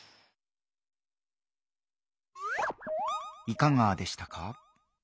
いかがでしたか？